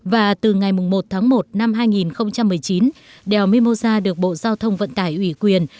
và từ ngày một tháng một năm hai nghìn một mươi chín đèo mimosa được bộ giao thông vận tải ủy quyền